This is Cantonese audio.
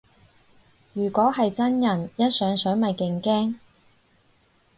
如果係真人一上水咪勁驚